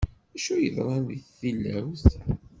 Acu yeḍran, deg tilawt?